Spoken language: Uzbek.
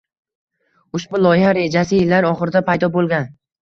Ushbu loyiha rejasi yillar oxirida paydo bo‘lgan.